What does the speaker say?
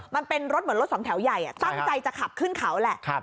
มันเป็นรถเหมือนรถสองแถวใหญ่ตั้งใจจะขับขึ้นเขาแหละ